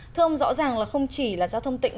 thưa ông rõ ràng là không chỉ là giao thông tỉnh